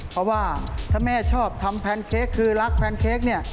เพราะว่าถ้าแม่ชอบทำแพนเค้กคือรักแพนเค้กเนี่ย